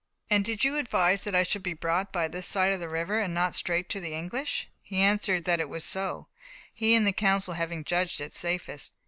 "And did you advise that I should be brought by this side of the river, and not straight to the English?" He answered that it was so, he and the council having judged it safest.